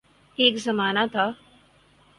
ایک زمانہ تھا۔